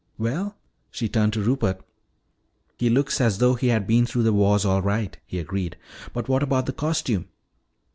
"Well?" she turned to Rupert. "He looks as though he had been through the wars all right," he agreed. "But what about the costume?"